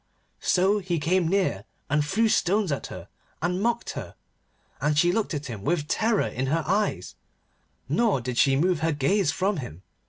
So he came near and threw stones at her, and mocked her, and she looked at him with terror in her eyes, nor did she move her gaze from him.